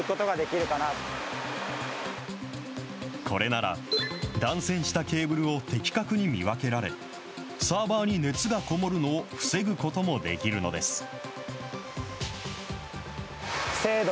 これなら断線したケーブルを的確に見分けられ、サーバーに熱が籠もるのを防ぐこともできるのです。